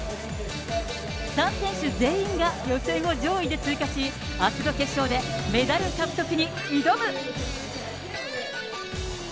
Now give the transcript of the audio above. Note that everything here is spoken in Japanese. ３選手全員が予選を上位で通過し、あすの決勝で、メダル獲得に挑む。